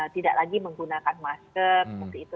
tidak lagi menggunakan masker